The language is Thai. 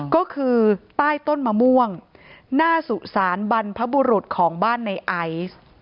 ก็คือใต้ต้นมะม่วงหน้าสุสานบรรพบุรุษของบ้านในไอซ์